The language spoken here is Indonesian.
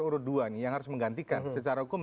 urut dua nih yang harus menggantikan secara hukum